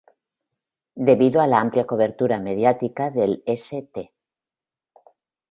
Debido a la amplia cobertura mediática del St.